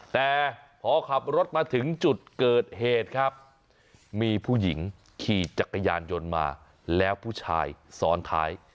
แต่พอขับรถมาถึงจุดเกิดเหตุครับมีผู้หญิงขี่จักรยานยนต์มาแล้วผู้ชายซ้อนท้าย